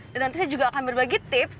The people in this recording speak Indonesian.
dan nanti saya juga akan berbagi tips